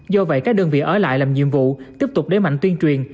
do vậy các đơn vị ở lại làm nhiệm vụ tiếp tục để mạnh tuyên truyền